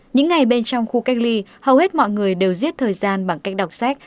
những ngày bên trong khu cách ly hầu hết mọi người đều giết thời gian bằng cách đọc sách